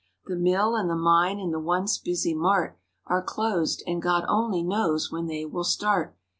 "The mill and the mine and the once busy mart Are closed, and God only knows when they will start."